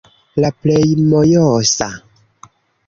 La plej mojosa-